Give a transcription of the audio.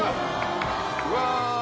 うわ！